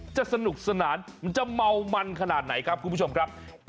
สนุกสนานมันจะเมามันขนาดไหนครับคุณผู้ชมครับ